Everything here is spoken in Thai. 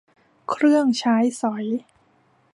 เครื่องใช้สอย